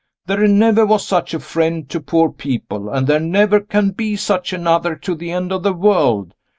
"There never was such a friend to poor people, and there never can be such another to the end of the world."